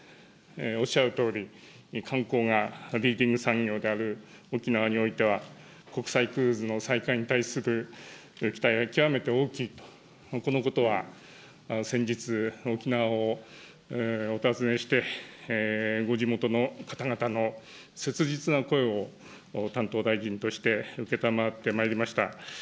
おっしゃるとおり、観光がリーディング産業である沖縄においては、国際クルーズの再開に対する期待は極めて大きいと、このことは先日、沖縄をお訪ねして、ご地元の方々の切実な声を担当大臣として、承ってまいりました。